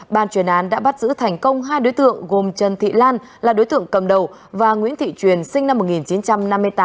ban chuyên án đã bắt giữ thành công hai đối tượng gồm trần thị lan là đối tượng cầm đầu và nguyễn thị truyền sinh năm một nghìn chín trăm năm mươi tám